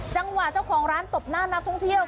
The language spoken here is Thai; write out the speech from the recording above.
จังหวะเจ้าของร้านตบหน้านักท่องเที่ยว